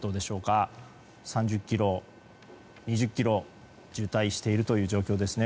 ３０ｋｍ、２０ｋｍ渋滞しているという状況ですね。